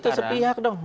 itu sepihak dong